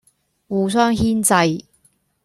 互相牽掣，